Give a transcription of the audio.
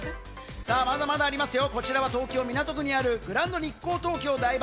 さぁ、まだまだありますよ、こちらは東京・港区にあるグランドニッコー東京台場。